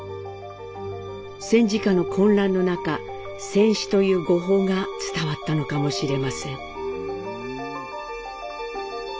戦時下の混乱の中「戦死」という誤報が伝わったのかもしれません。